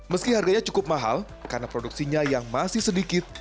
meski harganya cukup mahal karena produksinya yang masih sedikit